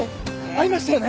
ありましたよね。